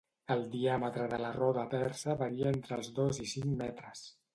El diàmetre de la roda persa varia entre de dos i cinc metres.